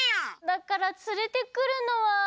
だからつれてくるのは。